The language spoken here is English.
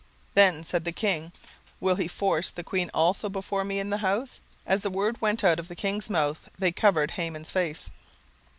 Then said the king, Will he force the queen also before me in the house? As the word went out of king's mouth, they covered Haman's face.